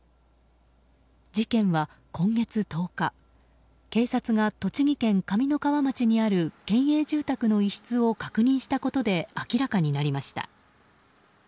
事件は今月１０日警察が栃木県上三川町にある県営住宅の一室を確認したことで明らかになりました。